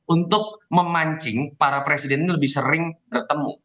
untuk memancing para presiden ini lebih sering bertemu